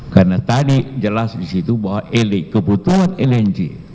karena tadi jelas disitu bahwa kebutuhan lng